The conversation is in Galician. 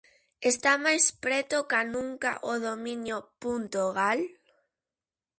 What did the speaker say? Está máis preto ca nunca o dominio "punto gal"?